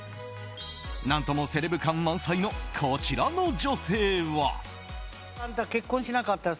何ともセレブ感満載のこちらの女性は。